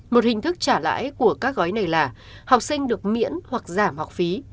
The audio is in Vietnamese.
một hình thức trả lãi của các gói này là học sinh được miễn hoặc giảm học phí